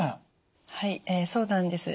はいそうなんです。